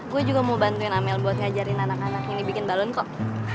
gue juga mau bantuin amel buat ngajarin anak anak ini bikin balon kok